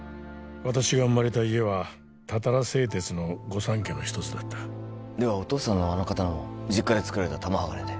私が生まれた家はたたら製鉄の御三家の一つだったではお父さんのあの刀も実家で作られた玉鋼で？